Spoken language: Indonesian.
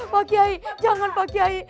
pak kiai jangan pak kiai